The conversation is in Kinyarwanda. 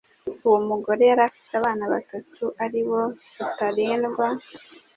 Uwo mugore yari afite abana batatu, ari bo Rutalindwa,